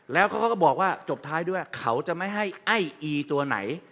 แล้วเขาก็บอกว่าจบท้ายด้วยเขาจะไม่ให้ไอ้อีตัวไหน